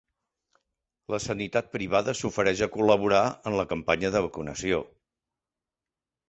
La sanitat privada s'ofereix a col·laborar en la campanya de vacunació.